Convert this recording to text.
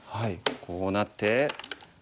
こうなって。